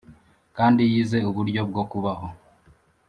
kandi yize uburyo bwo kubaho.